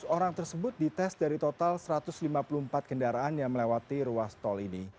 dua ratus orang tersebut dites dari total satu ratus lima puluh empat kendaraan yang melewati ruas tol ini